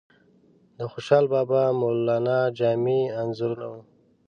د خوشحال بابا، مولانا جامی انځورونه وو.